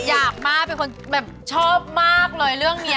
อยากมากเป็นคนแบบชอบมากเลยเรื่องนี้